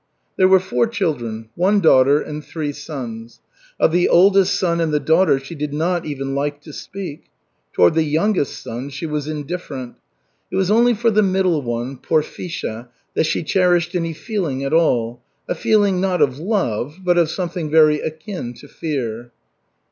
There were four children, one daughter and three sons. Of the oldest son and the daughter she did not even like to speak; toward the youngest son she was indifferent. It was only for the middle one, Porfisha, that she cherished any feeling at all, a feeling not of love, but of something very akin to fear.